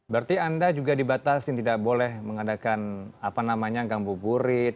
berarti anda juga dibatasi tidak boleh mengadakan apa namanya gang buburit